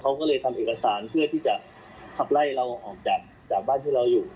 เขาก็เลยทำเอกสารเพื่อที่จะขับไล่เราออกจากบ้านที่เราอยู่